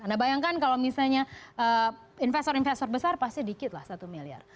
anda bayangkan kalau misalnya investor investor besar pasti dikit lah satu miliar